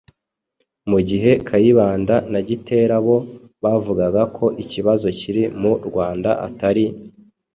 mu gihe Kayibanda na Gitera bo bavugaga ko ikibazo kiri mu Rwanda atari